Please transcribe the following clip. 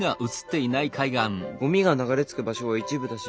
ゴミが流れ着く場所は一部だし